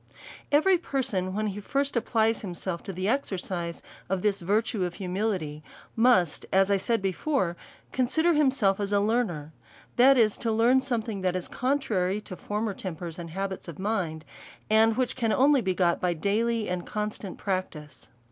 EVERY person, when he first applies himself to the exercise of this virtue of humility, must, as I said Ijefore, consider himself as a learner ; that is, to learn something that is contrary to former tempers, and ha 218 A SERIOUS CALL TO A bits of mind, and which can only be got by daily and constant practice.